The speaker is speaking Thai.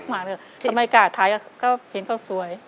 ทำไมกากถ่ายก็เห็นเขาสวย